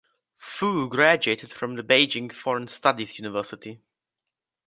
Fu graduated from the Beijing Foreign Studies University.